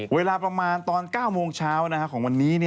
เวลาประมาณตอน๙โมงเช้าของวันนี้